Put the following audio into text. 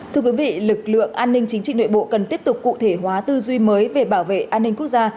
thưa quý vị lực lượng an ninh chính trị nội bộ cần tiếp tục cụ thể hóa tư duy mới về bảo vệ an ninh quốc gia